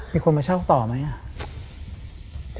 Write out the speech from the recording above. มีคนมาเช่าต่อไหมอ่ะ